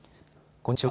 こんにちは。